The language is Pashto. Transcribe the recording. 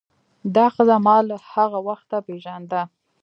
دا ښځه ما له هغه وخته پیژانده.